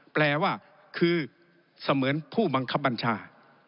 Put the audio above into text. แปลว่าคือเสมือนผู้บังคับบัญชา